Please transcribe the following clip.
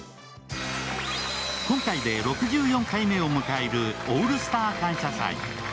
今回で６４回目を迎える「オールスター感謝祭」。